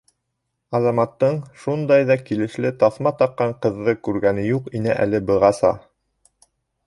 Азаматтың шундай ҙа килешле таҫма таҡҡан ҡыҙҙы күргәне юҡ ине әле бығаса.